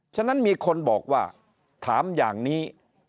ฉะนั้นมีคนบอกว่าถามอย่างนี้